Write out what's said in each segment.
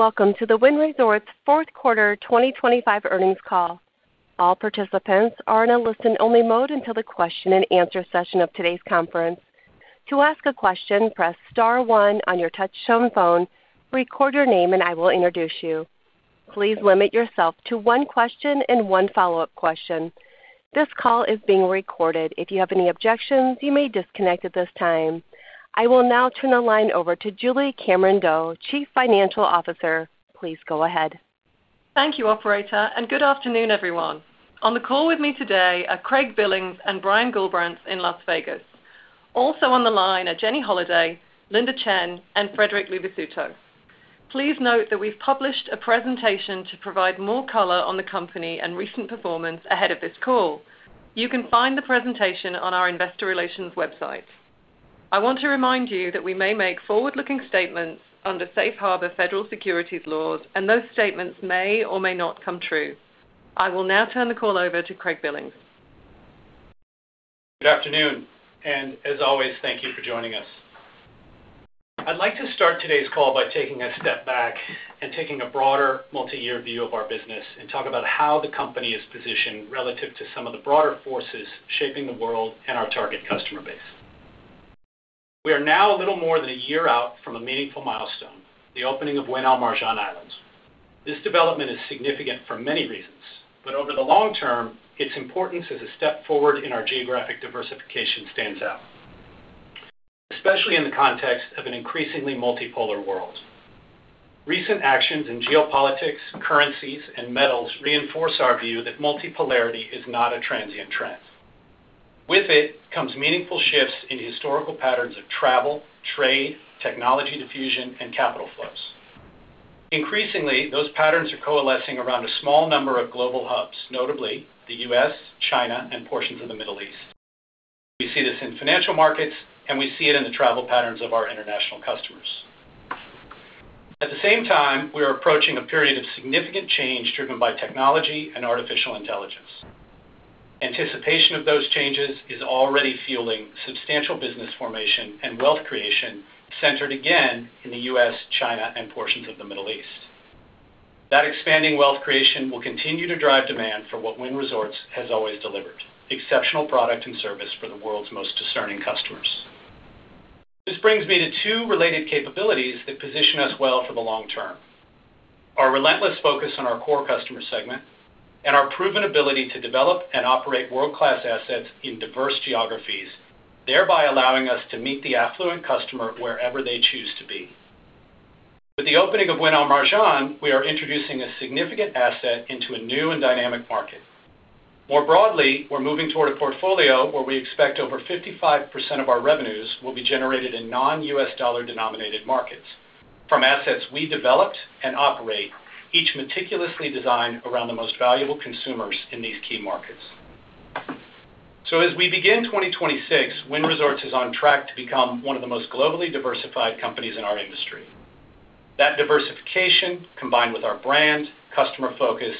Welcome to the Wynn Resorts fourth quarter 2025 earnings call. All participants are in a listen-only mode until the question-and-answer session of today's conference. To ask a question, press star one on your touchtone phone, record your name, and I will introduce you. Please limit yourself to one question and one follow-up question. This call is being recorded. If you have any objections, you may disconnect at this time. I will now turn the line over to Julie Cameron-Doe, Chief Financial Officer. Please go ahead. Thank you, operator, and good afternoon, everyone. On the call with me today are Craig Billings and Brian Gullbrants in Las Vegas. Also on the line are Jenny Holaday, Linda Chen, and Frederic Luvisutto. Please note that we've published a presentation to provide more color on the company and recent performance ahead of this call. You can find the presentation on our investor relations website. I want to remind you that we may make forward-looking statements under safe harbor federal securities laws, and those statements may or may not come true. I will now turn the call over to Craig Billings. Good afternoon, and as always, thank you for joining us. I'd like to start today's call by taking a step back and taking a broader, multi-year view of our business and talk about how the company is positioned relative to some of the broader forces shaping the world and our target customer base. We are now a little more than a year out from a meaningful milestone, the opening of Wynn Al Marjan Island. This development is significant for many reasons, but over the long term, its importance as a step forward in our geographic diversification stands out, especially in the context of an increasingly multipolar world. Recent actions in geopolitics, currencies, and metals reinforce our view that multipolarity is not a transient trend. With it comes meaningful shifts in historical patterns of travel, trade, technology diffusion, and capital flows. Increasingly, those patterns are coalescing around a small number of global hubs, notably the U.S., China, and portions of the Middle East. We see this in financial markets, and we see it in the travel patterns of our international customers. At the same time, we are approaching a period of significant change driven by technology and artificial intelligence. Anticipation of those changes is already fueling substantial business formation and wealth creation, centered again in the U.S., China, and portions of the Middle East. That expanding wealth creation will continue to drive demand for what Wynn Resorts has always delivered, exceptional product and service for the world's most discerning customers. This brings me to two related capabilities that position us well for the long term: our relentless focus on our core customer segment and our proven ability to develop and operate world-class assets in diverse geographies, thereby allowing us to meet the affluent customer wherever they choose to be. With the opening of Wynn Al Marjan, we are introducing a significant asset into a new and dynamic market. More broadly, we're moving toward a portfolio where we expect over 55% of our revenues will be generated in non-U.S. dollar-denominated markets from assets we developed and operate, each meticulously designed around the most valuable consumers in these key markets. So as we begin 2026, Wynn Resorts is on track to become one of the most globally diversified companies in our industry. That diversification, combined with our brand, customer focus,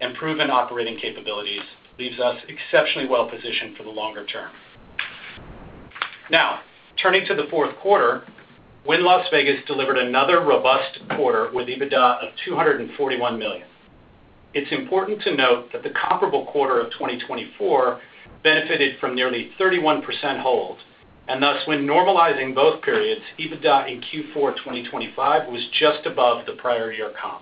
and proven operating capabilities, leaves us exceptionally well positioned for the longer term. Now, turning to the fourth quarter, Wynn Las Vegas delivered another robust quarter with EBITDA of $241 million. It's important to note that the comparable quarter of 2024 benefited from nearly 31% hold, and thus, when normalizing both periods, EBITDA in Q4 2025 was just above the prior year comp.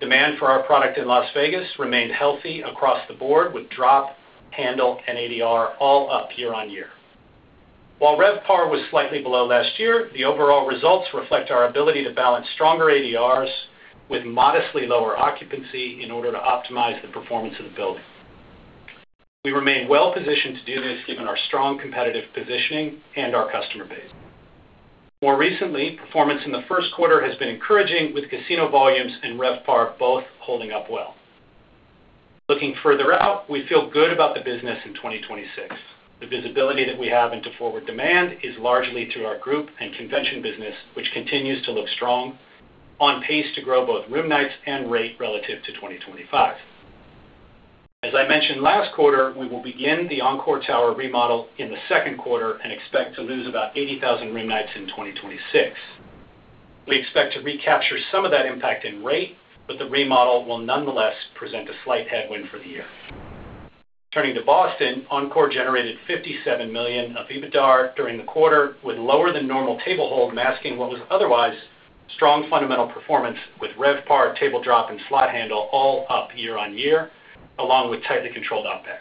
Demand for our product in Las Vegas remained healthy across the board, with drop, handle, and ADR all up year-over-year. While RevPAR was slightly below last year, the overall results reflect our ability to balance stronger ADRs with modestly lower occupancy in order to optimize the performance of the building. We remain well positioned to do this, given our strong competitive positioning and our customer base. More recently, performance in the first quarter has been encouraging, with casino volumes and RevPAR both holding up well. Looking further out, we feel good about the business in 2026. The visibility that we have into forward demand is largely to our group and convention business, which continues to look strong, on pace to grow both room nights and rate relative to 2025. As I mentioned last quarter, we will begin the Encore Tower remodel in the second quarter and expect to lose about 80,000 room nights in 2026. We expect to recapture some of that impact in rate, but the remodel will nonetheless present a slight headwind for the year. Turning to Boston, Encore generated $57 million of EBITDAR during the quarter, with lower-than-normal table hold, masking what was otherwise strong fundamental performance with RevPAR, table drop, and slot handle all up year-over-year, along with tightly controlled OpEx.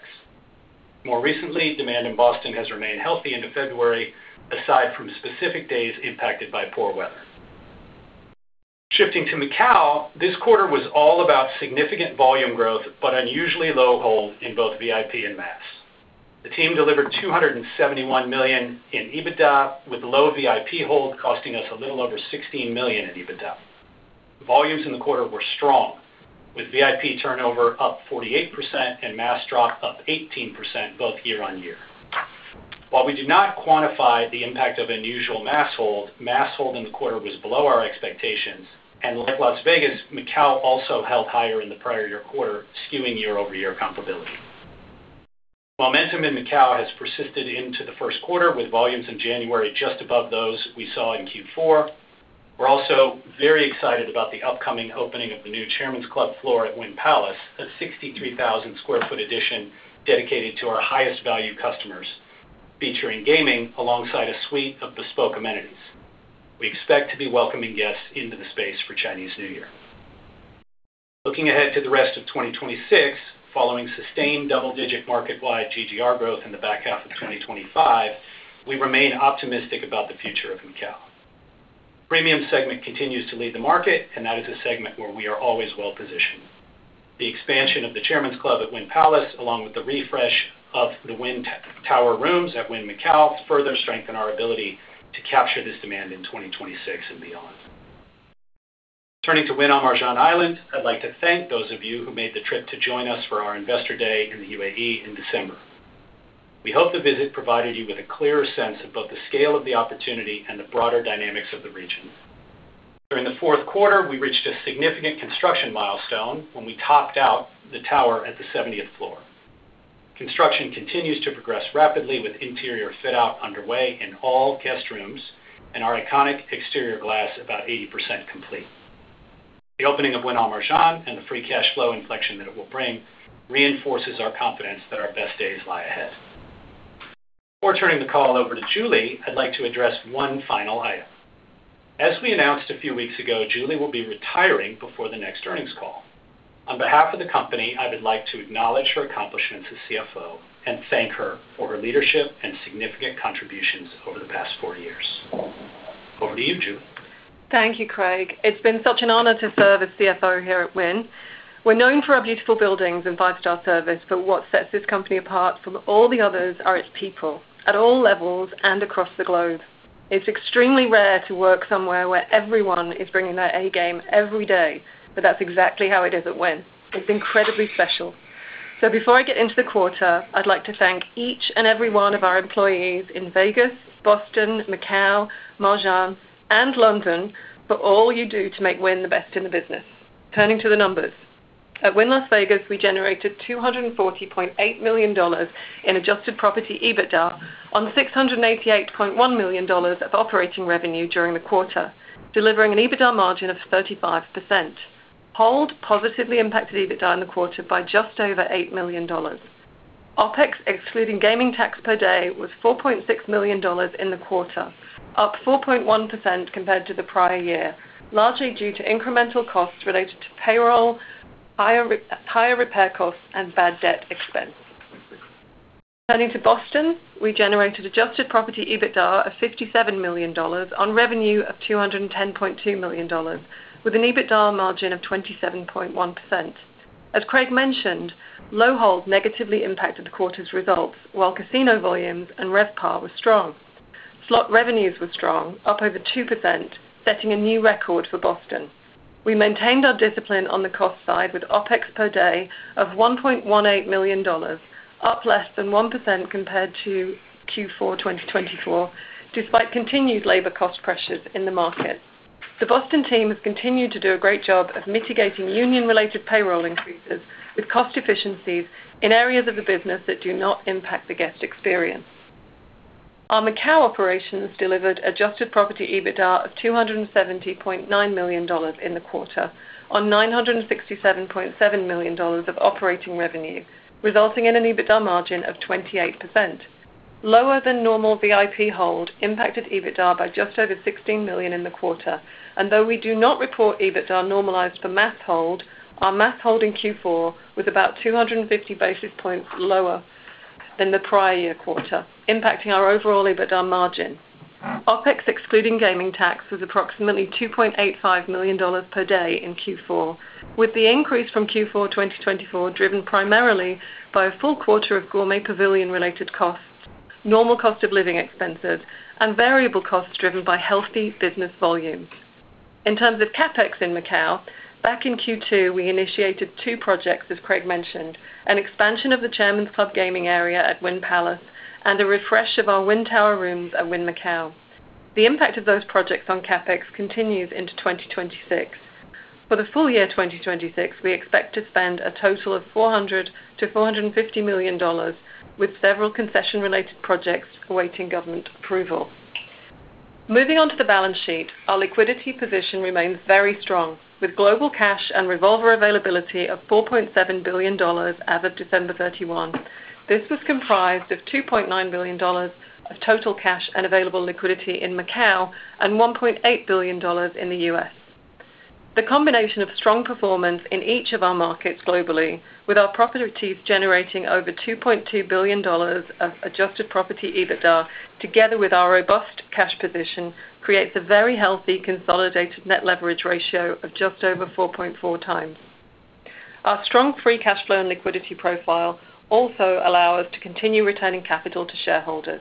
More recently, demand in Boston has remained healthy into February, aside from specific days impacted by poor weather. Shifting to Macau, this quarter was all about significant volume growth, but unusually low hold in both VIP and mass. The team delivered $271 million in EBITDA, with low VIP hold costing us a little over $16 million in EBITDA. The volumes in the quarter were strong, with VIP turnover up 48% and mass drop up 18%, both year-over-year. While we do not quantify the impact of unusual mass hold, mass hold in the quarter was below our expectations, and like Las Vegas, Macau also held higher in the prior year quarter, skewing year-over-year comparability. Momentum in Macau has persisted into the first quarter, with volumes in January just above those we saw in Q4. We're also very excited about the upcoming opening of the new Chairman's Club floor at Wynn Palace, a 63,000 sq ft addition dedicated to our highest value customers, featuring gaming alongside a suite of bespoke amenities. We expect to be welcoming guests into the space for Chinese New Year. Looking ahead to the rest of 2026, following sustained double-digit market-wide GGR growth in the back half of 2025, we remain optimistic about the future of Macau. Premium segment continues to lead the market, and that is a segment where we are always well-positioned. The expansion of the Chairman's Club at Wynn Palace, along with the refresh of the Wynn Tower rooms at Wynn Macau, further strengthen our ability to capture this demand in 2026 and beyond. Turning to Wynn Al Marjan Island, I'd like to thank those of you who made the trip to join us for our Investor Day in the UAE in December. We hope the visit provided you with a clearer sense of both the scale of the opportunity and the broader dynamics of the region. During the fourth quarter, we reached a significant construction milestone when we topped out the tower at the 70th floor. Construction continues to progress rapidly, with interior fit-out underway in all guest rooms and our iconic exterior glass about 80% complete. The opening of Wynn Al Marjan and the free cash flow inflection that it will bring reinforces our confidence that our best days lie ahead. Before turning the call over to Julie, I'd like to address one final item. As we announced a few weeks ago, Julie will be retiring before the next earnings call. On behalf of the company, I would like to acknowledge her accomplishments as CFO and thank her for her leadership and significant contributions over the past four years. Over to you, Julie. Thank you, Craig. It's been such an honor to serve as CFO here at Wynn. We're known for our beautiful buildings and five-star service, but what sets this company apart from all the others are its people, at all levels and across the globe. It's extremely rare to work somewhere where everyone is bringing their A game every day, but that's exactly how it is at Wynn. It's incredibly special. So before I get into the quarter, I'd like to thank each and every one of our employees in Vegas, Boston, Macau, Marjan, and London for all you do to make Wynn the best in the business. Turning to the numbers. At Wynn Las Vegas, we generated $240.8 million in adjusted property EBITDA on $688.1 million of operating revenue during the quarter, delivering an EBITDA margin of 35%. Hold positively impacted EBITDA in the quarter by just over $8 million. OpEx, excluding gaming tax per day, was $4.6 million in the quarter, up 4.1% compared to the prior year, largely due to incremental costs related to payroll, higher repair costs, and bad debt expense. Turning to Boston, we generated adjusted property EBITDA of $57 million on revenue of $210.2 million, with an EBITDA margin of 27.1%. As Craig mentioned, low hold negatively impacted the quarter's results, while casino volumes and RevPAR were strong. Slot revenues were strong, up over 2%, setting a new record for Boston. We maintained our discipline on the cost side with OpEx per day of $1.18 million, up less than 1% compared to Q4 2024, despite continued labor cost pressures in the market. The Boston team has continued to do a great job of mitigating union-related payroll increases with cost efficiencies in areas of the business that do not impact the guest experience. Our Macau operations delivered adjusted property EBITDA of $270.9 million in the quarter, on $967.7 million of operating revenue, resulting in an EBITDA margin of 28%. Lower than normal VIP hold impacted EBITDA by just over $16 million in the quarter, and though we do not report EBITDA normalized for mass hold, our mass hold in Q4 was about 250 basis points lower than the prior year quarter, impacting our overall EBITDA margin. OpEx, excluding gaming tax, was approximately $2.85 million per day in Q4, with the increase from Q4 2024 driven primarily by a full quarter of Gourmet Pavilion-related costs, normal cost of living expenses, and variable costs driven by healthy business volumes. In terms of CapEx in Macau, back in Q2, we initiated two projects, as Craig mentioned: an expansion of the Chairman's Club gaming area at Wynn Palace, and a refresh of our Wynn Tower rooms at Wynn Macau. The impact of those projects on CapEx continues into 2026. For the full year 2026, we expect to spend a total of $400 million-$450 million, with several concession-related projects awaiting government approval. Moving on to the balance sheet. Our liquidity position remains very strong, with global cash and revolver availability of $4.7 billion as of December 31. This was comprised of $2.9 billion of total cash and available liquidity in Macau and $1.8 billion in the US. The combination of strong performance in each of our markets globally, with our properties generating over $2.2 billion of adjusted property EBITDA, together with our robust cash position, creates a very healthy consolidated net leverage ratio of just over 4.4 times. Our strong free cash flow and liquidity profile also allow us to continue returning capital to shareholders.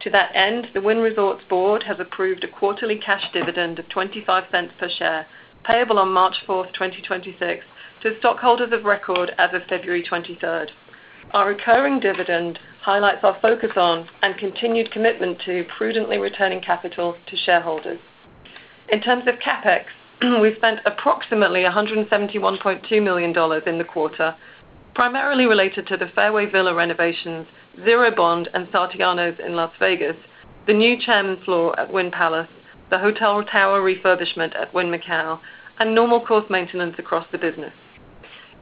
To that end, the Wynn Resorts Board has approved a quarterly cash dividend of $0.25 per share, payable on March 4, 2026, to stockholders of record as of February 23rd. Our recurring dividend highlights our focus on, and continued commitment to, prudently returning capital to shareholders. In terms of CapEx, we spent approximately $171.2 million in the quarter, primarily related to the Fairway Villa renovations, Zero Bond, and Sartiano's in Las Vegas, the new chairman's floor at Wynn Palace, the hotel tower refurbishment at Wynn Macau, and normal course maintenance across the business.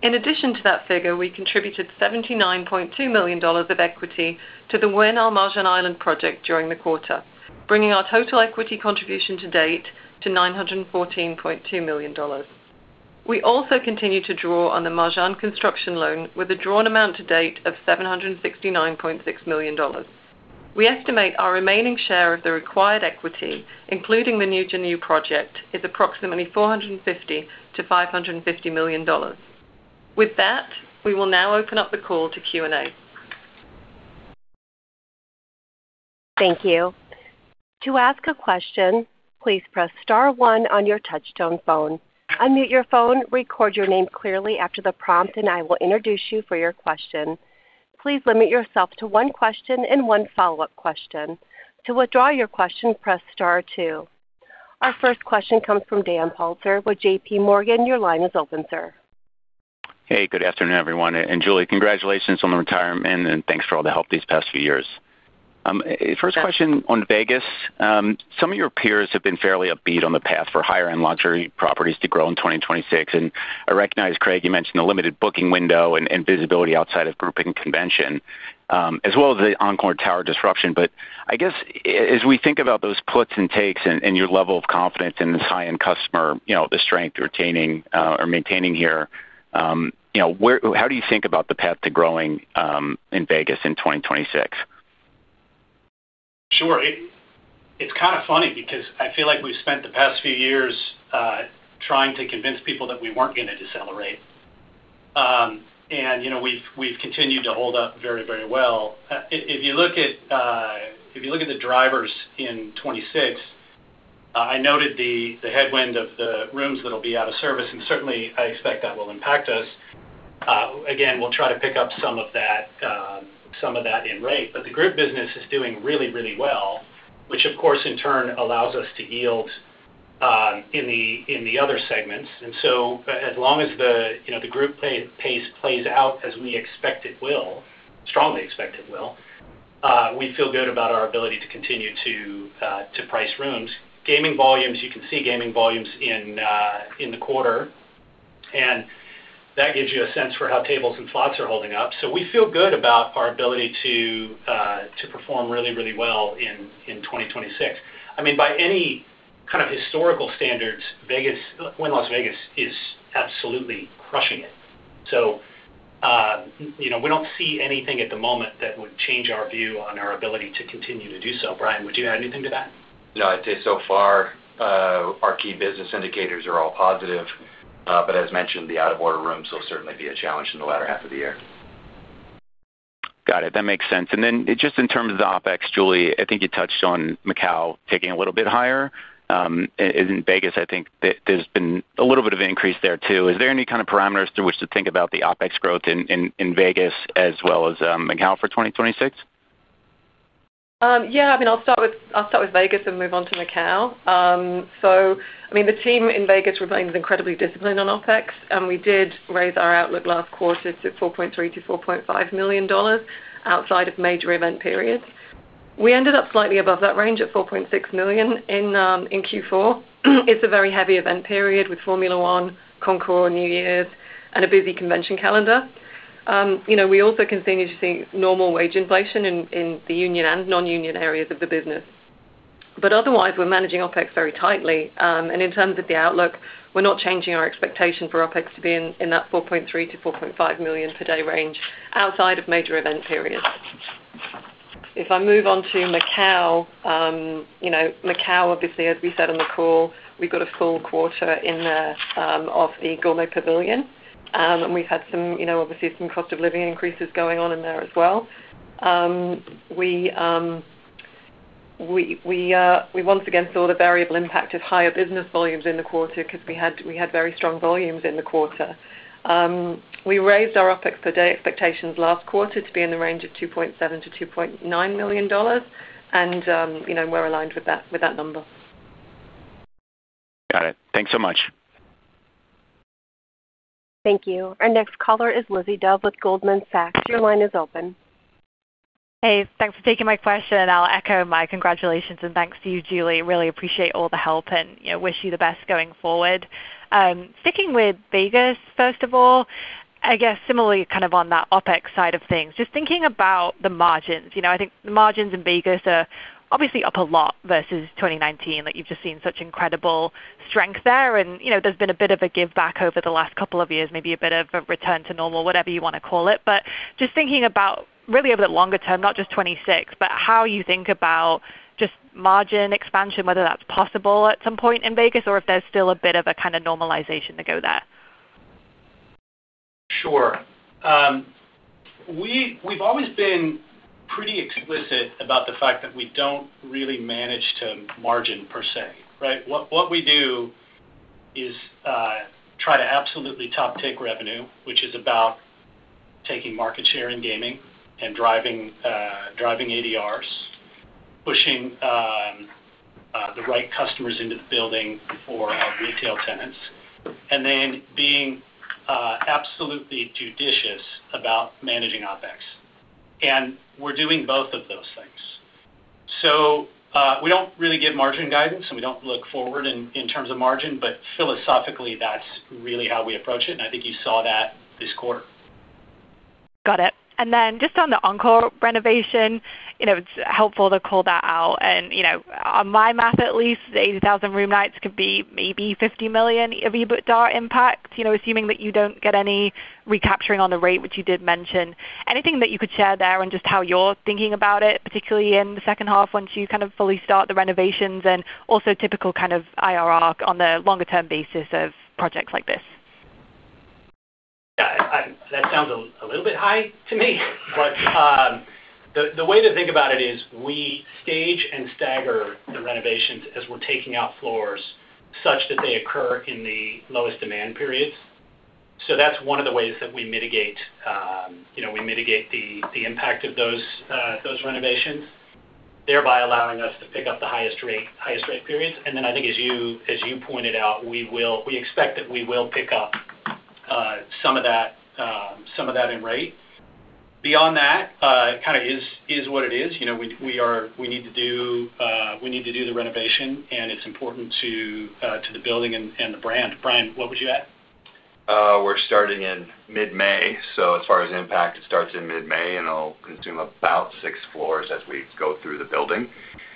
In addition to that figure, we contributed $79.2 million of equity to the Wynn Al Marjan Island project during the quarter, bringing our total equity contribution to date to $914.2 million. We also continue to draw on the Al Marjan construction loan with a drawn amount to date of $769.6 million. We estimate our remaining share of the required equity, including the new UAE project, is approximately $450 million-$550 million. With that, we will now open up the call to Q&A. Thank you. To ask a question, please press star one on your touchtone phone. Unmute your phone, record your name clearly after the prompt, and I will introduce you for your question. Please limit yourself to one question and one follow-up question. To withdraw your question, press star two. Our first question comes from Dan Politzer with JP Morgan. Your line is open, sir. Hey, good afternoon, everyone. Julie, congratulations on the retirement, and thanks for all the help these past few years. First question on Vegas. Some of your peers have been fairly upbeat on the path for higher-end luxury properties to grow in 2026, and I recognize, Craig, you mentioned the limited booking window and visibility outside of group and convention, as well as the Encore Tower disruption. But I guess, as we think about those puts and takes and your level of confidence in this high-end customer, you know, the strength retaining or maintaining here, you know, how do you think about the path to growing in Vegas in 2026? Sure. It's kind of funny because I feel like we've spent the past few years trying to convince people that we weren't going to decelerate. You know, we've continued to hold up very, very well. If you look at the drivers in 2026, I noted the headwind of the rooms that'll be out of service, and certainly I expect that will impact us. Again, we'll try to pick up some of that in rate. But the group business is doing really, really well, which of course, in turn, allows us to yield in the other segments. And so as long as the, you know, the group pace plays out as we expect it will, strongly expect it will, we feel good about our ability to continue to price rooms. Gaming volumes, you can see gaming volumes in the quarter, and that gives you a sense for how tables and slots are holding up. So we feel good about our ability to perform really, really well in 2026. I mean, by any kind of historical standards, Vegas, Wynn Las Vegas is absolutely crushing it. So, you know, we don't see anything at the moment that would change our view on our ability to continue to do so. Brian, would you add anything to that? No, I'd say so far, our key business indicators are all positive, but as mentioned, the out-of-order rooms will certainly be a challenge in the latter half of the year. Got it. That makes sense. And then just in terms of the OpEx, Julie, I think you touched on Macau ticking a little bit higher. In Vegas, I think there's been a little bit of an increase there, too. Is there any kind of parameters through which to think about the OpEx growth in Vegas as well as Macau for 2026? Yeah. I mean, I'll start with Vegas and move on to Macau. So I mean, the team in Vegas remains incredibly disciplined on OpEx, and we did raise our outlook last quarter to $4.3 million-$4.5 million outside of major event periods. We ended up slightly above that range at $4.6 million in Q4. It's a very heavy event period with Formula One, Concours, New Year's, and a busy convention calendar. You know, we also continue to see normal wage inflation in the union and non-union areas of the business. But otherwise, we're managing OpEx very tightly. And in terms of the outlook, we're not changing our expectation for OpEx to be in that $4.3 million-$4.5 million per day range outside of major event periods. If I move on to Macau, you know, Macau, obviously, as we said on the call, we've got a full quarter in there, of the Gourmet Pavilion, and we've had some, you know, obviously some cost of living increases going on in there as well. We once again saw the variable impact of higher business volumes in the quarter because we had, we had very strong volumes in the quarter. We raised our OpEx per day expectations last quarter to be in the range of $2.7 million-$2.9 million, and, you know, we're aligned with that, with that number. Got it. Thanks so much. Thank you. Our next caller is Lizzie Dove with Goldman Sachs. Your line is open. Hey, thanks for taking my question. I'll echo my congratulations and thanks to you, Julie. Really appreciate all the help and, you know, wish you the best going forward. Sticking with Vegas, first of all, I guess similarly kind of on that OpEx side of things, just thinking about the margins, you know, I think the margins in Vegas are obviously up a lot versus 2019, that you've just seen such incredible strength there. And, you know, there's been a bit of a give back over the last couple of years, maybe a bit of a return to normal, whatever you wanna call it. But just thinking about really over the longer term, not just 2026, but how you think about just margin expansion, whether that's possible at some point in Vegas, or if there's still a bit of a kind of normalization to go there. Sure. We've always been pretty explicit about the fact that we don't really manage to margin per se, right? What we do is try to absolutely top tick revenue, which is about taking market share in gaming and driving driving ADRs, pushing the right customers into the building for our retail tenants, and then being absolutely judicious about managing OpEx. And we're doing both of those things. So, we don't really give margin guidance, and we don't look forward in terms of margin, but philosophically, that's really how we approach it, and I think you saw that this quarter. Got it. And then just on the Encore renovation, you know, it's helpful to call that out. And, you know, on my math, at least, the 80,000 room nights could be maybe $50 million of EBITDA impact, you know, assuming that you don't get any recapturing on the rate, which you did mention. Anything that you could share there on just how you're thinking about it, particularly in the second half, once you kind of fully start the renovations and also typical kind of IRR on the longer-term basis of projects like this? Yeah, that sounds a little bit high to me. But, the way to think about it is we stage and stagger the renovations as we're taking out floors such that they occur in the lowest demand periods. So that's one of the ways that we mitigate, you know, we mitigate the impact of those renovations, thereby allowing us to pick up the highest rate, highest rate periods. And then I think as you pointed out, we expect that we will pick up some of that in rate. Beyond that, it kind of is what it is. You know, we need to do the renovation, and it's important to the building and the brand. Brian, what would you add? We're starting in mid-May, so as far as impact, it starts in mid-May, and it'll consume about 6 floors as we go through the building.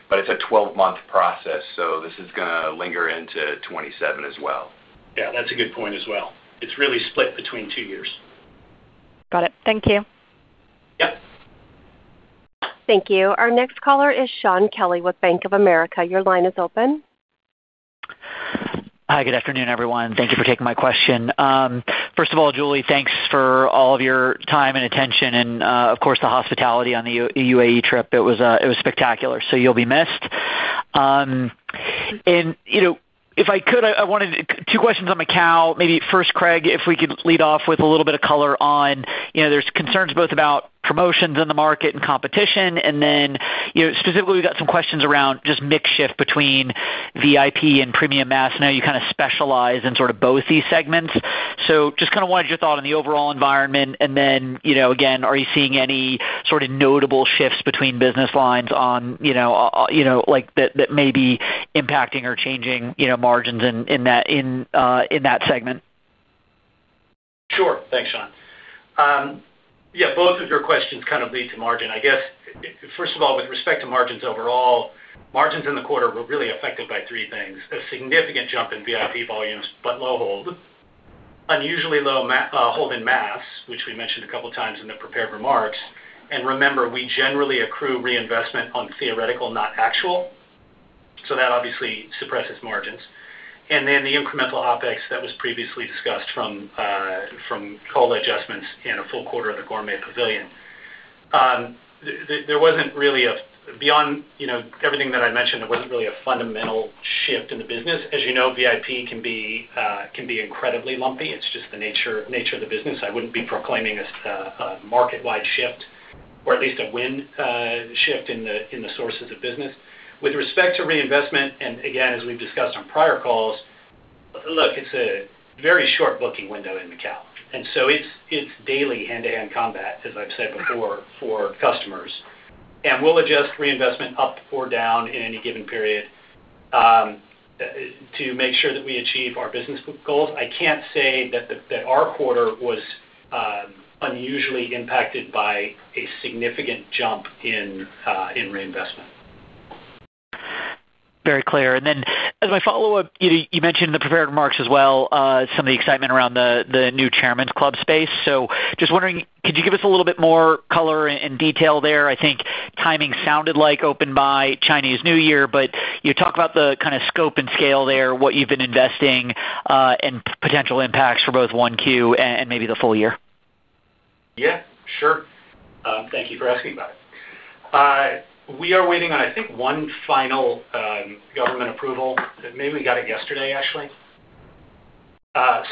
But it's a 12-month process, so this is gonna linger into 2027 as well. Yeah, that's a good point as well. It's really split between two years. Got it. Thank you. Yep. Thank you. Our next caller is Shaun Kelley with Bank of America. Your line is open. Hi, good afternoon, everyone. Thank you for taking my question. First of all, Julie, thanks for all of your time and attention and, of course, the hospitality on the UAE trip. It was spectacular, so you'll be missed. And, you know, if I could, I wanted two questions on Macau. Maybe first, Craig, if we could lead off with a little bit of color on, you know, there's concerns both about promotions in the market and competition, and then, you know, specifically, we've got some questions around just mix shift between VIP and premium mass. I know you kind of specialize in sort of both these segments. Just kind of wanted your thought on the overall environment, and then, you know, again, are you seeing any sort of notable shifts between business lines on, you know, you know, like, that, that may be impacting or changing, you know, margins in, in that, in, in that segment? Sure. Thanks, Shaun. Yeah, both of your questions kind of lead to margin. I guess, first of all, with respect to margins overall, margins in the quarter were really affected by three things: a significant jump in VIP volumes, but low hold, unusually low hold in mass, which we mentioned a couple of times in the prepared remarks. And remember, we generally accrue reinvestment on theoretical, not actual, so that obviously suppresses margins. And then the incremental OpEx that was previously discussed from call adjustments and a full quarter of the Gourmet Pavilion. There wasn't really a... Beyond, you know, everything that I mentioned, there wasn't really a fundamental shift in the business. As you know, VIP can be incredibly lumpy. It's just the nature of the business. I wouldn't be proclaiming this a market-wide shift or at least a wind shift in the sources of business. With respect to reinvestment, and again, as we've discussed on prior calls, look, it's a very short booking window in Macau, and so it's daily hand-to-hand combat, as I've said before, for customers. And we'll adjust reinvestment up or down in any given period to make sure that we achieve our business goals. I can't say that our quarter was unusually impacted by a significant jump in reinvestment. Very clear. Then as my follow-up, you mentioned in the prepared remarks as well some of the excitement around the new Chairman's Club space. So just wondering, could you give us a little bit more color and detail there? I think timing sounded like open by Chinese New Year, but you talk about the kind of scope and scale there, what you've been investing, and potential impacts for both 1Q and maybe the full year. Yeah, sure. Thank you for asking about it. We are waiting on, I think, one final government approval. Maybe we got it yesterday, actually.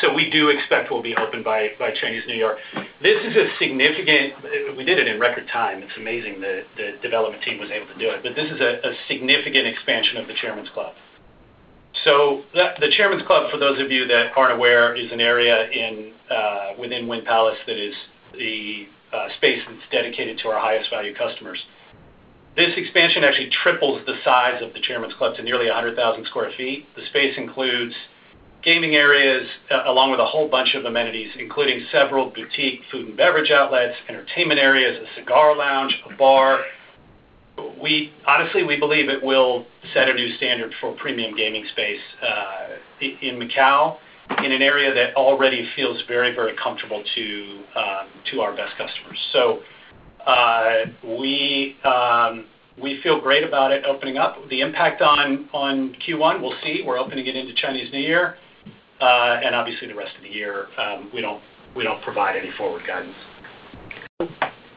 So we do expect we'll be open by Chinese New Year. This is a significant expansion. We did it in record time. It's amazing the development team was able to do it. But this is a significant expansion of the Chairman's Club. So the Chairman's Club, for those of you that aren't aware, is an area within Wynn Palace that is the space that's dedicated to our highest value customers. This expansion actually triples the size of the Chairman's Club to nearly 100,000 sq ft. The space includes gaming areas along with a whole bunch of amenities, including several boutique food and beverage outlets, entertainment areas, a cigar lounge, a bar. Honestly, we believe it will set a new standard for premium gaming space in Macau, in an area that already feels very, very comfortable to our best customers. So, we feel great about it opening up. The impact on Q1, we'll see. We're opening it into Chinese New Year. And obviously, the rest of the year, we don't provide any forward guidance....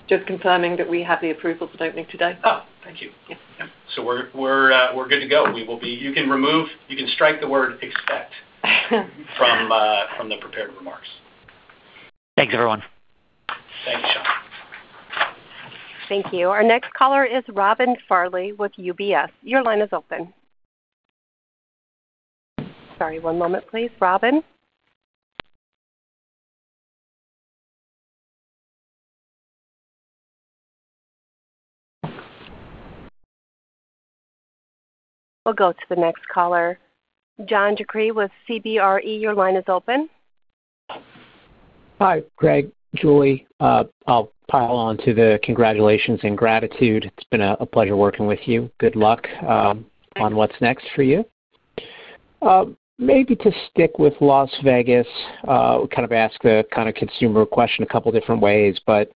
Just confirming that we have the approval for opening today. Oh, thank you. Yes. So we're good to go. You can strike the word expect from the prepared remarks. Thanks, everyone. Thank you, Sean. Thank you. Our next caller is Robin Farley with UBS. Your line is open. Sorry, one moment, please, Robin. We'll go to the next caller. John DeCree with CBRE, your line is open. Hi, Craig, Julie. I'll pile on to the congratulations and gratitude. It's been a pleasure working with you. Good luck on what's next for you. Maybe to stick with Las Vegas, kind of ask the kind of consumer question a couple different ways, but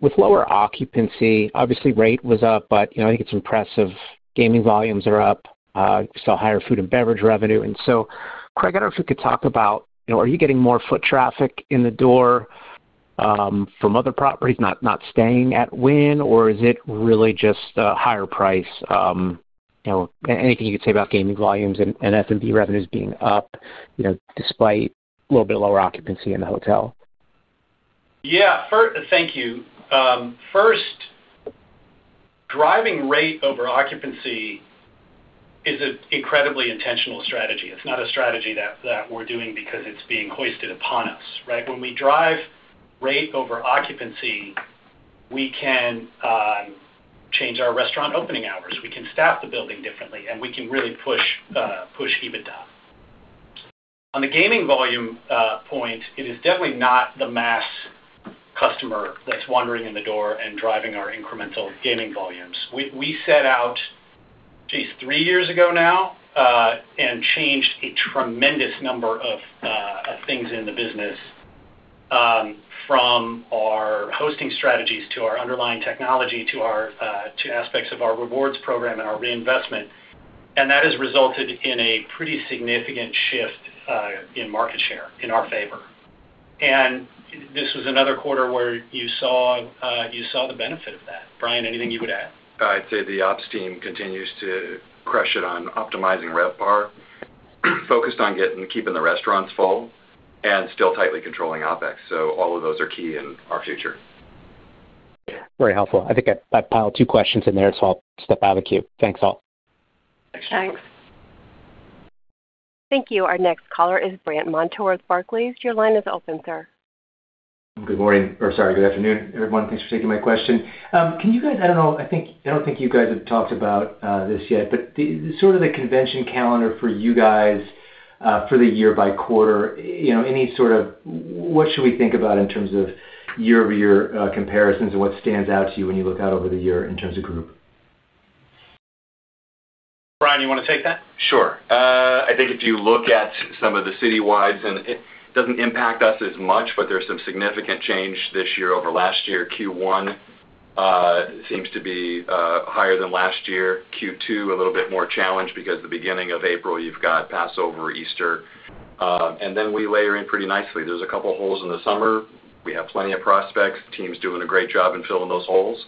with lower occupancy, obviously, rate was up, but you know, I think it's impressive. Gaming volumes are up, saw higher food and beverage revenue. And so, Craig, I don't know if you could talk about, you know, are you getting more foot traffic in the door from other properties, not staying at Wynn? Or is it really just a higher price, you know, anything you could say about gaming volumes and F&B revenues being up, you know, despite a little bit lower occupancy in the hotel? Yeah. Thank you. First, driving rate over occupancy is an incredibly intentional strategy. It's not a strategy that we're doing because it's being hoisted upon us, right? When we drive rate over occupancy, we can change our restaurant opening hours, we can staff the building differently, and we can really push EBITDA. On the gaming volume point, it is definitely not the max customer that's wandering in the door and driving our incremental gaming volumes. We set out, geez, three years ago now, and changed a tremendous number of things in the business, from our hosting strategies to our underlying technology, to aspects of our rewards program and our reinvestment, and that has resulted in a pretty significant shift in market share in our favor. This was another quarter where you saw the benefit of that. Brian, anything you would add? I'd say the ops team continues to crush it on optimizing RevPAR, focused on getting and keeping the restaurants full, and still tightly controlling OpEx. All of those are key in our future. Very helpful. I think I piled two questions in there, so I'll step out of the queue. Thanks, all. Thanks. Thank you. Our next caller is Brant Montour with Barclays. Your line is open, sir. Good morning, or sorry, good afternoon, everyone. Thanks for taking my question. Can you guys... I don't know, I don't think you guys have talked about this yet, but the sort of the convention calendar for you guys, for the year by quarter, you know, any sort of what should we think about in terms of year-over-year comparisons and what stands out to you when you look out over the year in terms of group? Brian, you want to take that? Sure. I think if you look at some of the citywides, and it doesn't impact us as much, but there's some significant change this year over last year. Q1 seems to be higher than last year. Q2, a little bit more challenged, because the beginning of April, you've got Passover, Easter, and then we layer in pretty nicely. There's a couple holes in the summer. We have plenty of prospects. Team's doing a great job in filling those holes,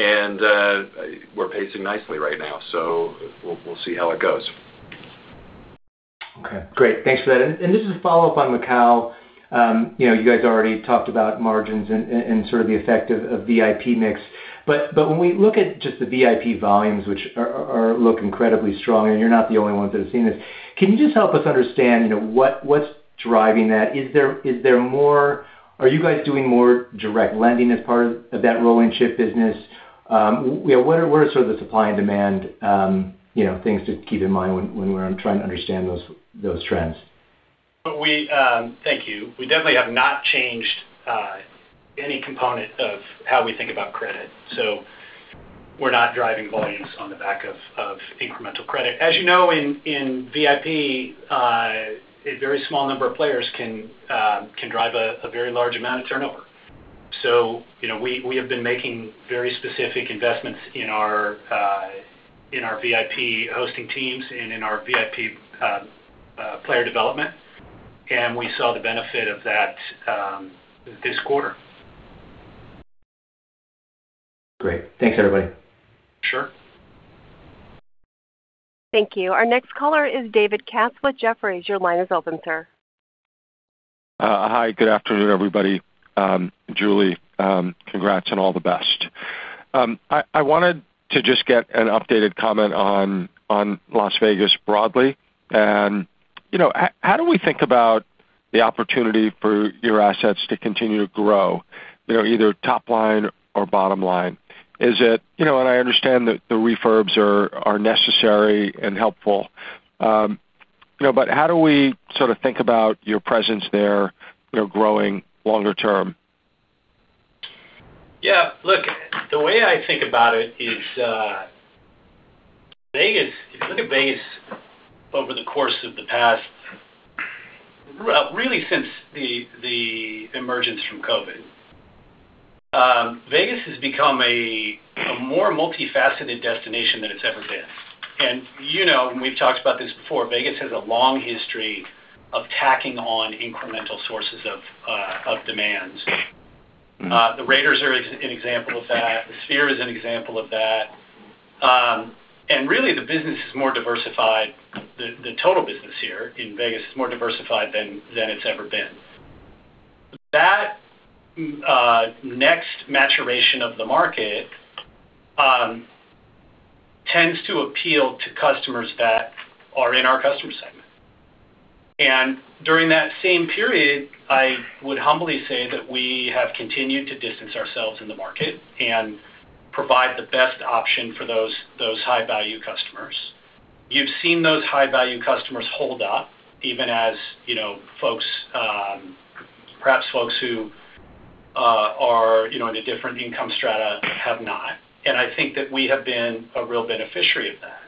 and we're pacing nicely right now, so we'll see how it goes. Okay, great. Thanks for that. And just a follow-up on Macau. You know, you guys already talked about margins and sort of the effect of VIP mix. But when we look at just the VIP volumes, which look incredibly strong, and you're not the only ones that have seen this, can you just help us understand, you know, what's driving that? Is there more? Are you guys doing more direct lending as part of that rolling chip business? You know, what are sort of the supply and demand, you know, things to keep in mind when we're trying to understand those trends? Thank you. We definitely have not changed any component of how we think about credit, so we're not driving volumes on the back of incremental credit. As you know, in VIP, a very small number of players can drive a very large amount of turnover. So you know, we have been making very specific investments in our VIP hosting teams and in our VIP player development, and we saw the benefit of that this quarter. Great. Thanks, everybody. Sure. Thank you. Our next caller is David Katz with Jefferies. Your line is open, sir. Hi, good afternoon, everybody. Julie, congrats and all the best. I wanted to just get an updated comment on Las Vegas broadly. You know, how do we think about the opportunity for your assets to continue to grow, you know, either top line or bottom line? Is it? You know, I understand that the refurbs are necessary and helpful, you know, but how do we sort of think about your presence there, you know, growing longer term? Yeah, look, the way I think about it is, Vegas, if you look at Vegas over the course of the past, well, really, since the, the emergence from COVID, Vegas has become a, a more multifaceted destination than it's ever been.... And you know, and we've talked about this before, Vegas has a long history of tacking on incremental sources of, of demands. The Raiders are an example of that, the Sphere is an example of that. And really, the business is more diversified, the, the total business here in Vegas is more diversified than, than it's ever been. That, next maturation of the market, tends to appeal to customers that are in our customer segment. During that same period, I would humbly say that we have continued to distance ourselves in the market and provide the best option for those high-value customers. You've seen those high-value customers hold up, even as, you know, folks, perhaps folks who, you know, are in a different income strata have not. And I think that we have been a real beneficiary of that.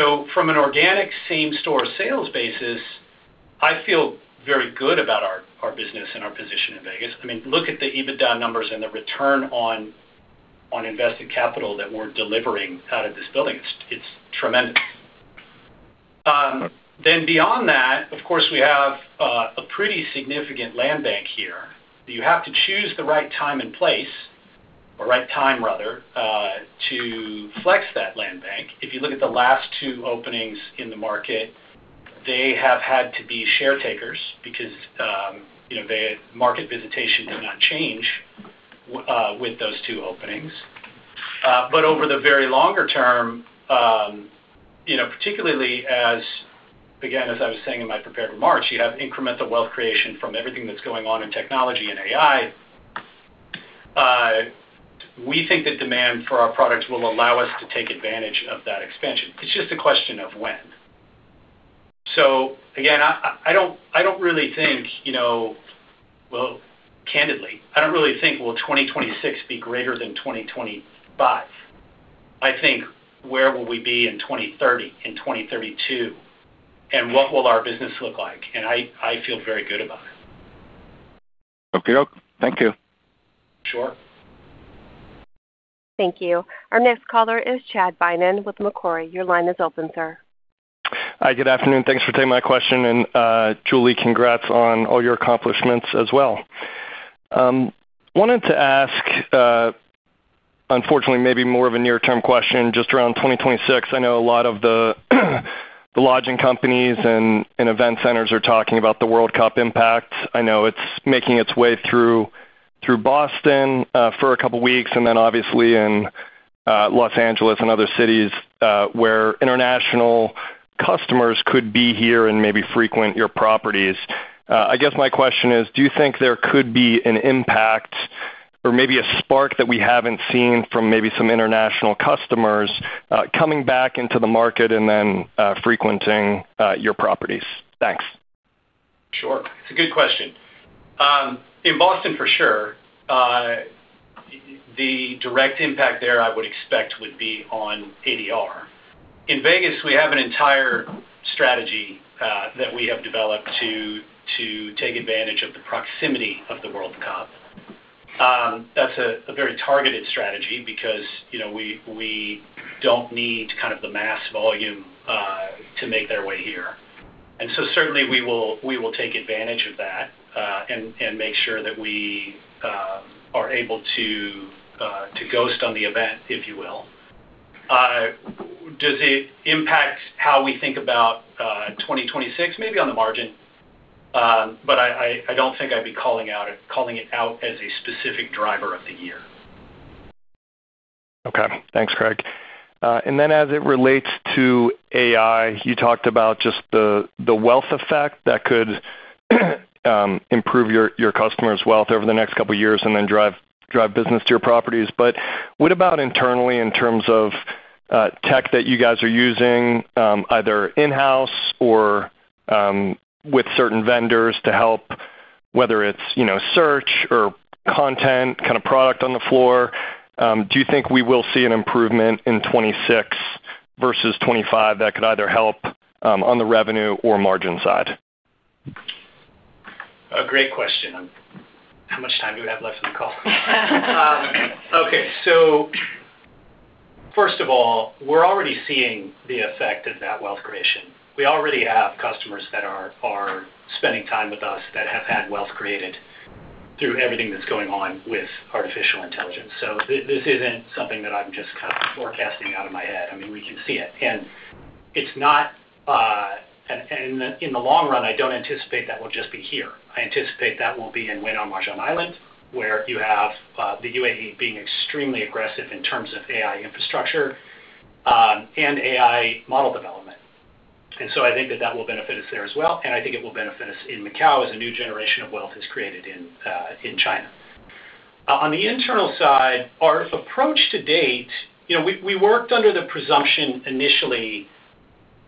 So from an organic same-store sales basis, I feel very good about our business and our position in Vegas. I mean, look at the EBITDA numbers and the return on invested capital that we're delivering out of this building. It's tremendous. Then beyond that, of course, we have a pretty significant land bank here. You have to choose the right time and place, or right time, rather, to flex that land bank. If you look at the last two openings in the market, they have had to be share takers because, you know, the market visitation did not change with those two openings. But over the very longer term, you know, particularly as, again, as I was saying in my prepared remarks, you have incremental wealth creation from everything that's going on in technology and AI. We think the demand for our products will allow us to take advantage of that expansion. It's just a question of when. So again, I, I, I don't, I don't really think, you know... Well, candidly, I don't really think, well, 2026 be greater than 2025. I think, where will we be in 2030, in 2032, and what will our business look like? And I, I feel very good about it. Okey-doke. Thank you. Sure. Thank you. Our next caller is Chad Beynon with Macquarie. Your line is open, sir. Hi, good afternoon. Thanks for taking my question, and, Julie, congrats on all your accomplishments as well. Wanted to ask, unfortunately, maybe more of a near-term question, just around 2026. I know a lot of the, the lodging companies and, and event centers are talking about the World Cup impact. I know it's making its way through, through Boston, for a couple of weeks, and then obviously in, Los Angeles and other cities, where international customers could be here and maybe frequent your properties. I guess my question is, do you think there could be an impact or maybe a spark that we haven't seen from maybe some international customers, coming back into the market and then, frequenting, your properties? Thanks. Sure. It's a good question. In Boston, for sure, the direct impact there, I would expect, would be on ADR. In Vegas, we have an entire strategy that we have developed to take advantage of the proximity of the World Cup. That's a very targeted strategy because, you know, we don't need kind of the mass volume to make their way here. And so certainly we will take advantage of that and make sure that we are able to ghost on the event, if you will. Does it impact how we think about 2026? Maybe on the margin, but I don't think I'd be calling it out as a specific driver of the year. Okay. Thanks, Craig. And then, as it relates to AI, you talked about just the wealth effect that could improve your customers' wealth over the next couple of years and then drive business to your properties. But what about internally in terms of tech that you guys are using, either in-house or with certain vendors to help, whether it's, you know, search or content, kind of, product on the floor? Do you think we will see an improvement in 2026 versus 2025 that could either help on the revenue or margin side? A great question. How much time do we have left in the call? Okay. So first of all, we're already seeing the effect of that wealth creation. We already have customers that are, are spending time with us that have had wealth created through everything that's going on with artificial intelligence. So this isn't something that I'm just kind of forecasting out of my head. I mean, we can see it. And it's not. And, and in the long run, I don't anticipate that will just be here. I anticipate that will be in Wynn Al Marjan Island, where you have, the UAE being extremely aggressive in terms of AI infrastructure, and AI model development. So I think that will benefit us there as well, and I think it will benefit us in Macau as a new generation of wealth is created in China. On the internal side, our approach to date, you know, we worked under the presumption initially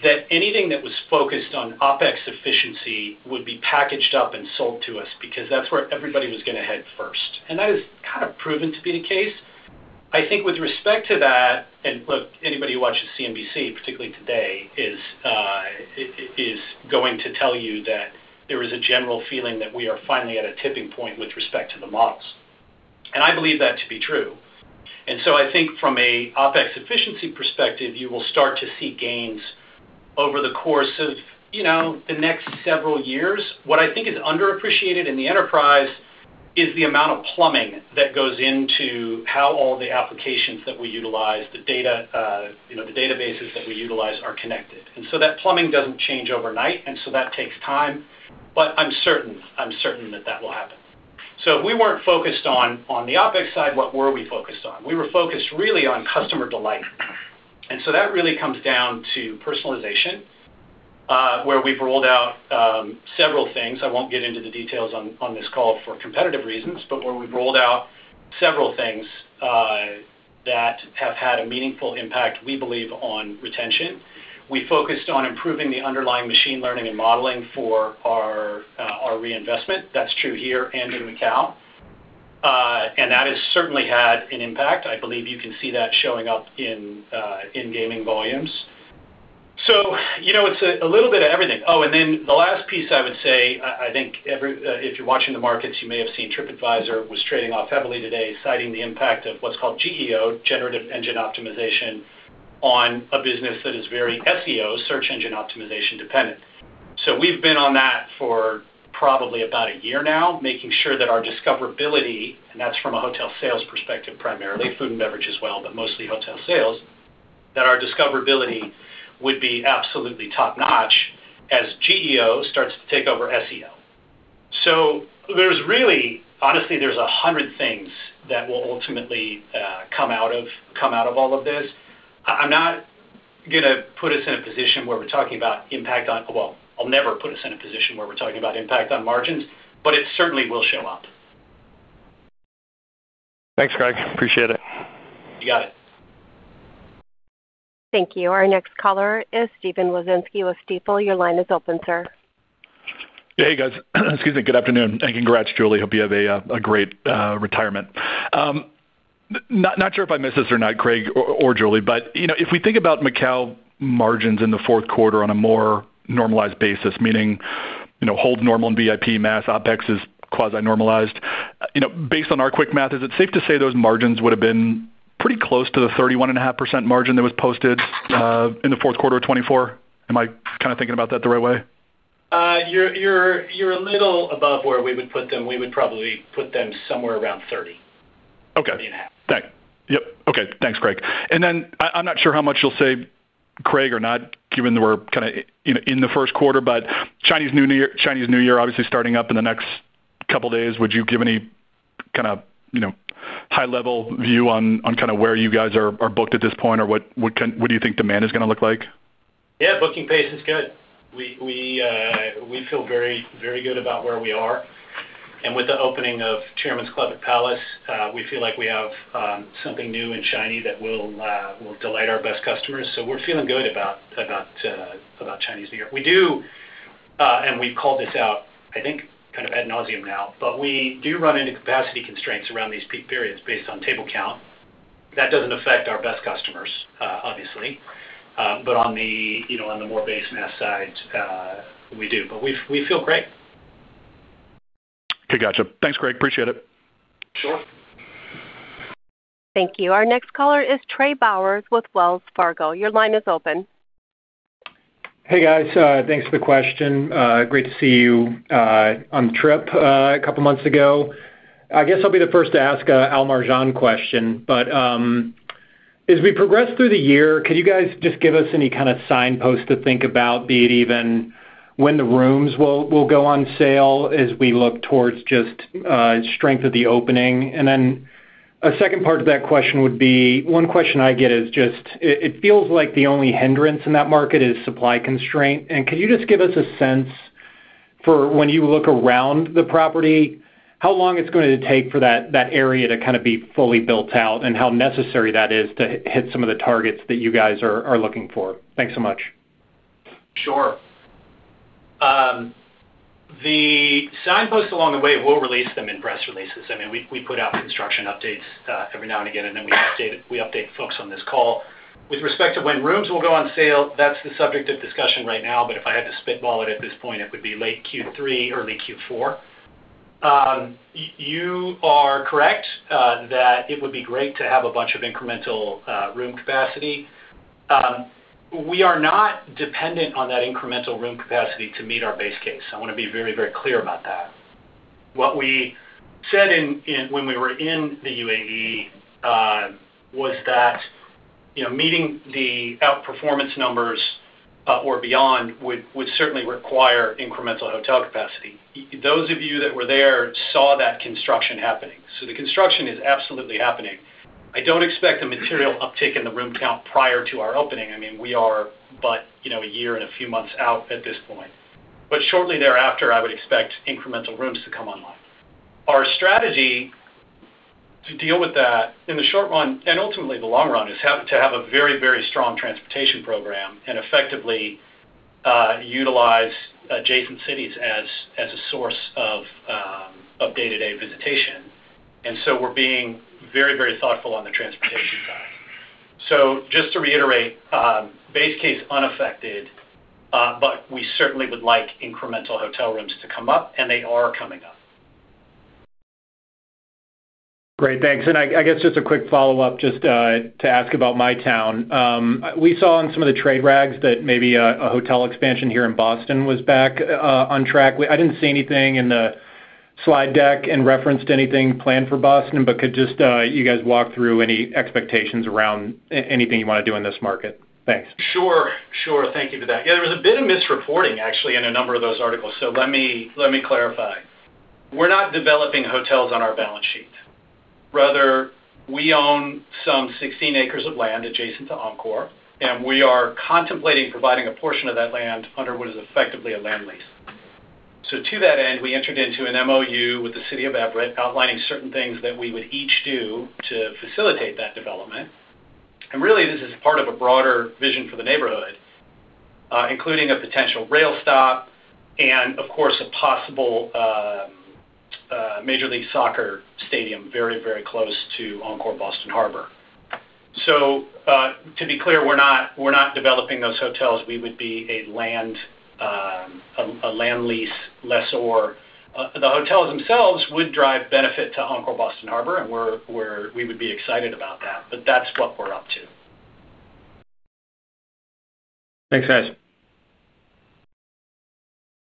that anything that was focused on OpEx efficiency would be packaged up and sold to us because that's where everybody was gonna head first, and that has kind of proven to be the case. I think with respect to that, and look, anybody who watches CNBC, particularly today, is going to tell you that there is a general feeling that we are finally at a tipping point with respect to the models. I believe that to be true. I think from an OpEx efficiency perspective, you will start to see gains over the course of, you know, the next several years. What I think is underappreciated in the enterprise is the amount of plumbing that goes into how all the applications that we utilize, the data, you know, the databases that we utilize are connected. That plumbing doesn't change overnight, and so that takes time, but I'm certain, I'm certain that that will happen. If we weren't focused on the OpEx side, what were we focused on? We were focused really on customer delight. That really comes down to personalization, where we've rolled out several things. I won't get into the details on this call for competitive reasons, but where we've rolled out several things that have had a meaningful impact, we believe, on retention. We focused on improving the underlying machine learning and modeling for our reinvestment. That's true here and in Macau. And that has certainly had an impact. I believe you can see that showing up in gaming volumes. So, you know, it's a little bit of everything. Oh, and then the last piece, I would say, I think if you're watching the markets, you may have seen TripAdvisor was trading off heavily today, citing the impact of what's called GEO, generative engine optimization, on a business that is very SEO, search engine optimization, dependent. So we've been on that for probably about a year now, making sure that our discoverability, and that's from a hotel sales perspective, primarily, food and beverage as well, but mostly hotel sales, that our discoverability would be absolutely top-notch as GEO starts to take over SEO. So there's really... honestly, there's 100 things that will ultimately come out of, come out of all of this. I'm not gonna put us in a position where we're talking about impact on— Well, I'll never put us in a position where we're talking about impact on margins, but it certainly will show up. Thanks, Craig. Appreciate it. You got it. Thank you. Our next caller is Steven Wieczynski with Stifel. Your line is open, sir. Hey, guys. Excuse me. Good afternoon, and congrats, Julie. Hope you have a great retirement. Not sure if I missed this or not, Craig or Julie, but you know, if we think about Macau margins in the fourth quarter on a more normalized basis, meaning you know, hold normal and VIP, mass OpEx is quasi-normalized, you know, based on our quick math, is it safe to say those margins would have been pretty close to the 31.5% margin that was posted in the fourth quarter of 2024? Am I kinda thinking about that the right way? You're a little above where we would put them. We would probably put them somewhere around 30. Okay. And a half. Thanks. Yep. Okay, thanks, Craig. And then I, I'm not sure how much you'll say, Craig, or not, given that we're kinda in the first quarter, but Chinese New Year, obviously, starting up in the next couple days, would you give any kinda, you know, high-level view on kinda where you guys are booked at this point, or what, what do you think demand is gonna look like? Yeah, booking pace is good. We feel very, very good about where we are. And with the opening of Chairman's Club at Palace, we feel like we have something new and shiny that will delight our best customers. So we're feeling good about Chinese New Year. We do, and we've called this out, I think, kind of ad nauseam now, but we do run into capacity constraints around these peak periods based on table count. That doesn't affect our best customers, obviously. But on the, you know, on the more base mass side, we do. But we feel great. Okay, gotcha. Thanks, Craig. Appreciate it. Sure. Thank you. Our next caller is Trey Bowers with Wells Fargo. Your line is open. Hey, guys, thanks for the question. Great to see you on the trip a couple months ago. I guess I'll be the first to ask an Al Marjan question, but as we progress through the year, could you guys just give us any kind of signposts to think about, be it even when the rooms will go on sale as we look towards just strength of the opening? And then a second part to that question would be, one question I get is just it feels like the only hindrance in that market is supply constraint. Could you just give us a sense for when you look around the property, how long it's going to take for that area to kind of be fully built out, and how necessary that is to hit some of the targets that you guys are looking for? Thanks so much. Sure. The signposts along the way, we'll release them in press releases. I mean, we put out construction updates every now and again, and then we update it, we update folks on this call. With respect to when rooms will go on sale, that's the subject of discussion right now, but if I had to spitball it at this point, it would be late Q3, early Q4. You are correct that it would be great to have a bunch of incremental room capacity. We are not dependent on that incremental room capacity to meet our base case. I wanna be very, very clear about that. What we said when we were in the UAE was that, you know, meeting the outperformance numbers or beyond would certainly require incremental hotel capacity. Those of you that were there saw that construction happening. So the construction is absolutely happening. I don't expect a material uptick in the room count prior to our opening. I mean, we are, but, you know, a year and a few months out at this point. But shortly thereafter, I would expect incremental rooms to come online. Our strategy to deal with that in the short run, and ultimately the long run, is to have a very, very strong transportation program and effectively utilize adjacent cities as a source of day-to-day visitation. And so we're being very, very thoughtful on the transportation. So just to reiterate, base case unaffected, but we certainly would like incremental hotel rooms to come up, and they are coming up. Great, thanks. And I guess just a quick follow-up, just, to ask about my town. We saw on some of the trade rags that maybe a hotel expansion here in Boston was back on track. I didn't see anything in the slide deck in reference to anything planned for Boston, but could just you guys walk through any expectations around anything you want to do in this market? Thanks. Sure, sure. Thank you for that. Yeah, there was a bit of misreporting, actually, in a number of those articles, so let me, let me clarify. We're not developing hotels on our balance sheet. Rather, we own some 16 acres of land adjacent to Encore, and we are contemplating providing a portion of that land under what is effectively a land lease. So to that end, we entered into an MOU with the city of Everett, outlining certain things that we would each do to facilitate that development. And really, this is part of a broader vision for the neighborhood, including a potential rail stop and, of course, a possible Major League Soccer stadium very, very close to Encore Boston Harbor. So, to be clear, we're not, we're not developing those hotels. We would be a land lease lessor. The hotels themselves would drive benefit to Encore Boston Harbor, and we're, we would be excited about that, but that's what we're up to. Thanks, guys.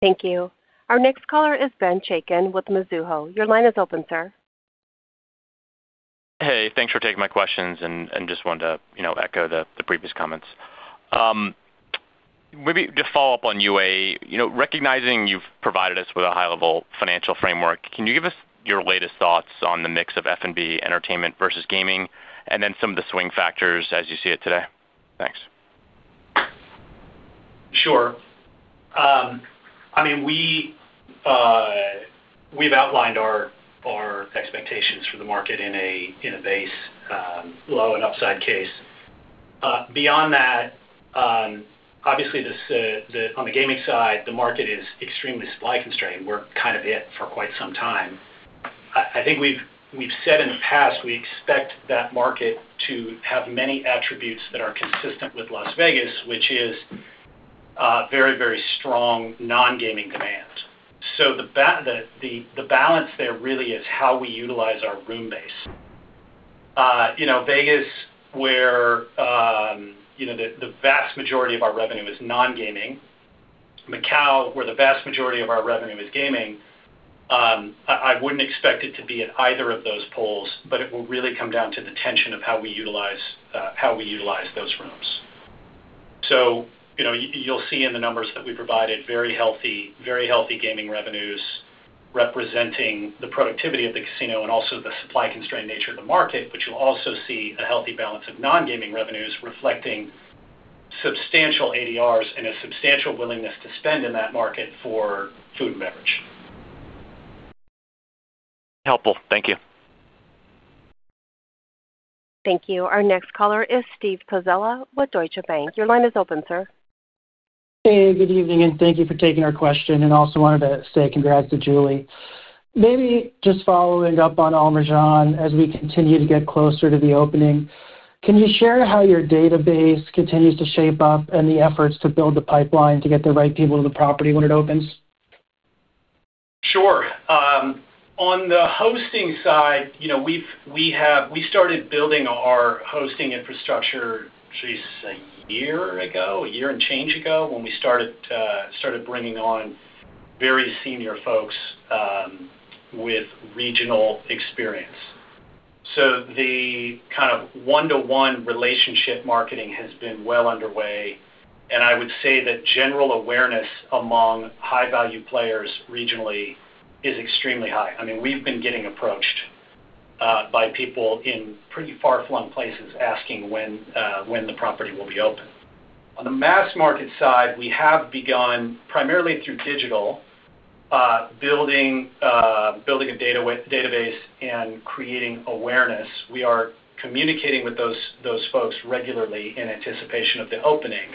Thank you. Our next caller is Ben Chaiken with Mizuho. Your line is open, sir. Hey, thanks for taking my questions, and just wanted to, you know, echo the previous comments. Maybe just follow up on UAE. You know, recognizing you've provided us with a high-level financial framework, can you give us your latest thoughts on the mix of F&B entertainment versus gaming, and then some of the swing factors as you see it today? Thanks. Sure. I mean, we've outlined our expectations for the market in a base, low and upside case. Beyond that, obviously, this, the, on the gaming side, the market is extremely supply constrained. We're kind of it for quite some time. I think we've said in the past, we expect that market to have many attributes that are consistent with Las Vegas, which is, very, very strong non-gaming demand. So the balance there really is how we utilize our room base. You know, Vegas, where, you know, the vast majority of our revenue is non-gaming, Macau, where the vast majority of our revenue is gaming, I wouldn't expect it to be at either of those poles, but it will really come down to the tension of how we utilize, how we utilize those rooms. So, you know, you'll see in the numbers that we provided, very healthy, very healthy gaming revenues, representing the productivity of the casino and also the supply-constrained nature of the market, but you'll also see a healthy balance of non-gaming revenues reflecting substantial ADRs and a substantial willingness to spend in that market for food and beverage. Helpful. Thank you. Thank you. Our next caller is Steve Pizzella with Deutsche Bank. Your line is open, sir. Hey, good evening, and thank you for taking our question, and also wanted to say congrats to Julie. Maybe just following up on Al Marjan, as we continue to get closer to the opening, can you share how your database continues to shape up and the efforts to build the pipeline to get the right people to the property when it opens? Sure. On the hosting side, you know, we've started building our hosting infrastructure, geez, a year ago, a year and change ago, when we started bringing on very senior folks with regional experience. So the kind of one-to-one relationship marketing has been well underway, and I would say that general awareness among high-value players regionally is extremely high. I mean, we've been getting approached by people in pretty far-flung places asking when the property will be open. On the mass market side, we have begun, primarily through digital, building a database and creating awareness. We are communicating with those folks regularly in anticipation of the opening.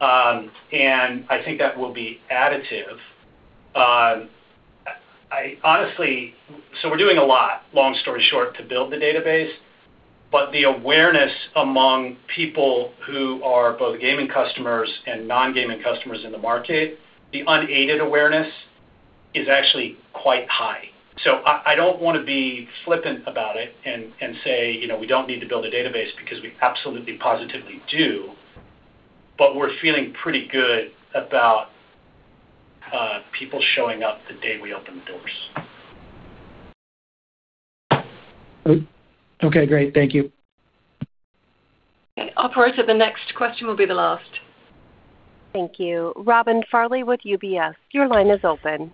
And I think that will be additive. I honestly... So we're doing a lot, long story short, to build the database, but the awareness among people who are both gaming customers and non-gaming customers in the market, the unaided awareness is actually quite high. So I don't want to be flippant about it and say, you know, we don't need to build a database because we absolutely, positively do, but we're feeling pretty good about people showing up the day we open the doors. Okay, great. Thank you. Okay. Operator, the next question will be the last. Thank you. Robin Farley with UBS, your line is open.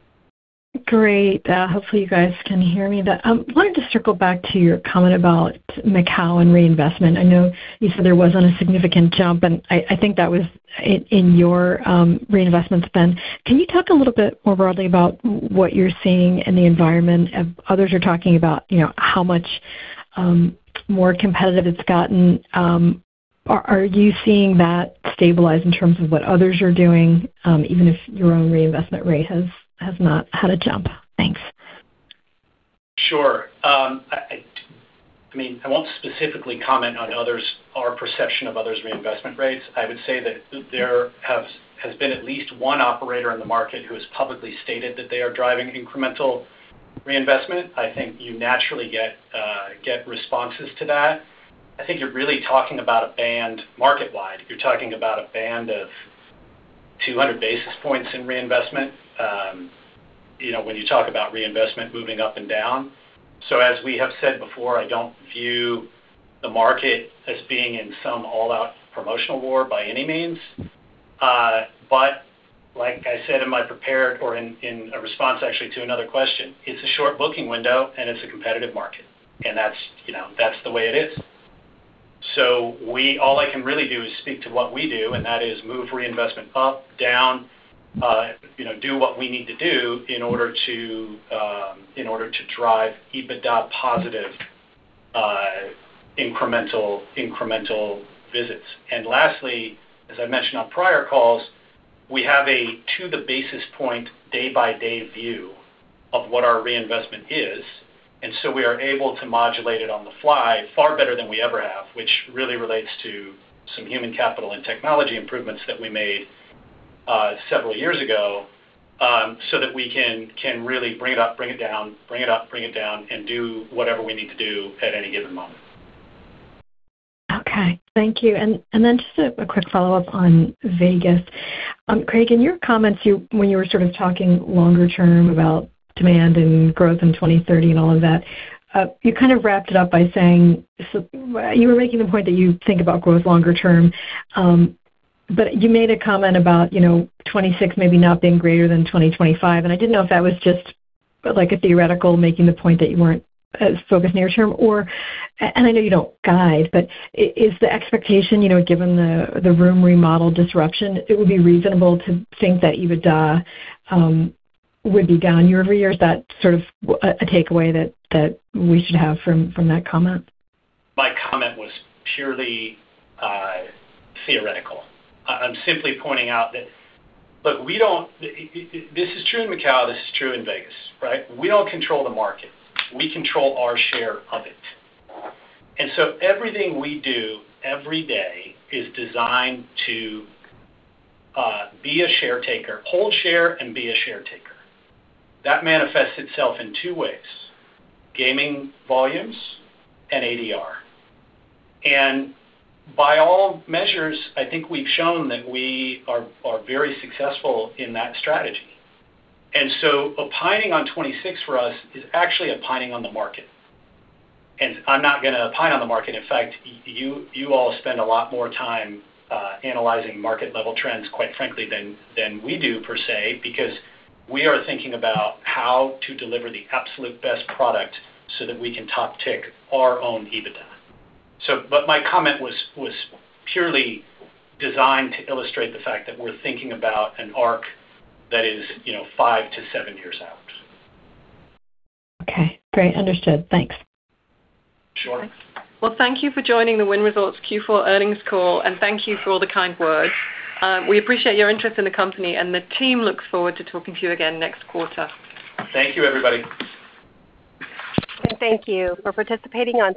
Great. Hopefully, you guys can hear me. But, I wanted to circle back to your comment about Macau and reinvestment. I know you said there wasn't a significant jump, and I think that was in your reinvestment spend. Can you talk a little bit more broadly about what you're seeing in the environment? Others are talking about, you know, how much more competitive it's gotten. Are you seeing that stabilize in terms of what others are doing, even if your own reinvestment rate has not had a jump? Thanks.... Sure. I mean, I won't specifically comment on others—our perception of others' reinvestment rates. I would say that there has been at least one operator in the market who has publicly stated that they are driving incremental reinvestment. I think you naturally get responses to that. I think you're really talking about a band market-wide. You're talking about a band of 200 basis points in reinvestment, you know, when you talk about reinvestment moving up and down. So as we have said before, I don't view the market as being in some all-out promotional war by any means. But like I said in my prepared or in a response, actually, to another question, it's a short booking window, and it's a competitive market, and that's, you know, that's the way it is. So, all I can really do is speak to what we do, and that is move reinvestment up, down, you know, do what we need to do in order to, in order to drive EBITDA positive, incremental visits. And lastly, as I mentioned on prior calls, we have a to the basis point, day-by-day view of what our reinvestment is, and so we are able to modulate it on the fly, far better than we ever have, which really relates to some human capital and technology improvements that we made several years ago, so that we can really bring it up, bring it down, bring it up, bring it down, and do whatever we need to do at any given moment. Okay, thank you. And then just a quick follow-up on Vegas. Craig, in your comments, you when you were sort of talking longer term about demand and growth in 2030 and all of that, you kind of wrapped it up by saying, so. You were making the point that you think about growth longer term, but you made a comment about, you know, 2026 maybe not being greater than 2025, and I didn't know if that was just, like, a theoretical, making the point that you weren't as focused near term or. And I know you don't guide, but is the expectation, you know, given the room remodel disruption, it would be reasonable to think that EBITDA would be down year over year? Is that sort of a takeaway that we should have from that comment? My comment was purely theoretical. I'm simply pointing out that... Look, we don't, this is true in Macau, this is true in Vegas, right? We don't control the market. We control our share of it. And so everything we do every day is designed to be a share taker, hold share, and be a share taker. That manifests itself in two ways: gaming volumes and ADR. And by all measures, I think we've shown that we are very successful in that strategy. And so opining on 26 for us is actually opining on the market. And I'm not gonna opine on the market. In fact, you all spend a lot more time analyzing market level trends, quite frankly, than we do, per se, because we are thinking about how to deliver the absolute best product so that we can top-tick our own EBITDA. But my comment was purely designed to illustrate the fact that we're thinking about an arc that is, you know, 5-7 years out. Okay, great. Understood. Thanks. Sure. Well, thank you for joining the Wynn Resorts Q4 earnings call, and thank you for all the kind words. We appreciate your interest in the company, and the team looks forward to talking to you again next quarter. Thank you, everybody. Thank you for participating on today-